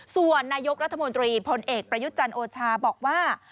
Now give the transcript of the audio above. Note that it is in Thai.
ส่วนนายกรัฐมนตรีพลเอกประยุทธ์จันทร์โอชาบอกว่า